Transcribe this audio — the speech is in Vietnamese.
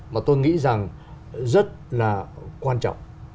mà tôi nghĩ rằng rất là quan trọng